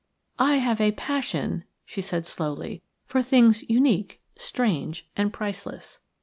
"I have a passion," she said, slowly, "for things unique, strange, and priceless.